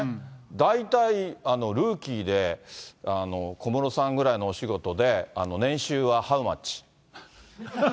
大体、ルーキーで小室さんぐらいのお仕事で、年収はハウマッチ？